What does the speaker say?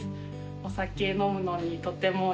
お酒飲むのにとてもいい。